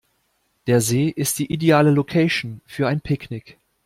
Der See ist die ideale Location für ein Picknick.